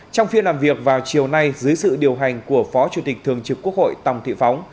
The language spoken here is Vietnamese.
trong phiên làm việc vào chiều nay dưới sự điều hành của phó chủ tịch thường trực quốc hội tòng thị phóng